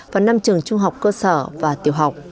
và năm trường trung học cơ sở và tiểu học